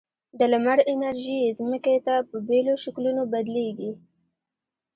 د لمر انرژي ځمکې ته په بېلو شکلونو بدلیږي.